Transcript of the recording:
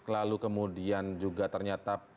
lalu kemudian juga ternyata